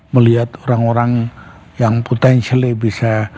melihat orang orang yang potensial bisa